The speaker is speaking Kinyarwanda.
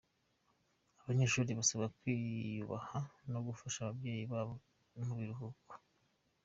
Abanyeshuri basabwa kwiyubaha no gufasha ababyeyi babo mu biruhuko